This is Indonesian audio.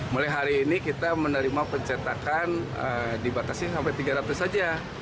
mulai hari ini kita menerima pencetakan dibatasi sampai tiga ratus saja